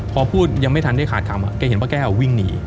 พอพูดยังไม่ทันได้ขาดคำแกเห็นป้าแก้ววิ่งหนี